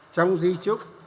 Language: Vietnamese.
trong di trúc